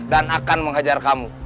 dan akan menghajar kamu